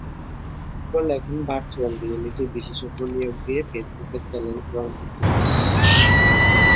গুগলও এখন virtual reality বিশেষজ্ঞ নিয়োগ দিয়ে ফেসবুকের চ্যালেঞ্জ গ্রহণ করতে প্রস্তুত।